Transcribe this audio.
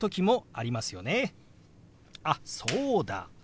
あっそうだ。